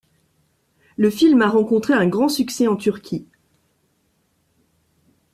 Le film a rencontré un grand succès en Turquie.